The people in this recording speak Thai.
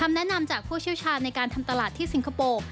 แนะนำจากผู้เชี่ยวชาญในการทำตลาดที่สิงคโปร์